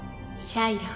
シャイロ。